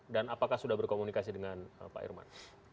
dan apakah sudah berkomunikasi dengan pak irman